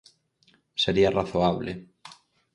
Sería razoable.